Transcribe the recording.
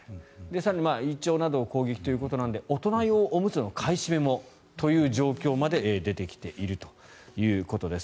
更に胃腸などを攻撃ということなので大人用おむつの買い占めもという状況まで出てきているということです。